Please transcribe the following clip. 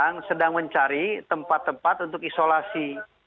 yang sedang mencari tempat tempat untuk isolasi